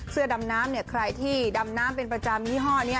เสื้อดำน้ำเนี่ยใครที่ดำน้ำเป็นประจำยี่ห้อนี้